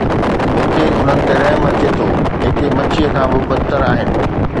مون کي انهن تي رحم اچي ٿو، جيڪي مڇيءَ کان به بدتر آهن